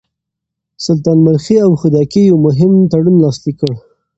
سلطان ملخي او خودکي يو مهم تړون لاسليک کړ.